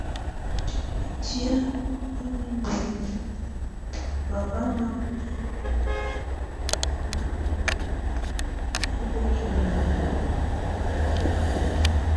Ətiən yɛ mimə baba na bəsu tiniməki bəsu bəkimə ikuili ɛmɔtɛ.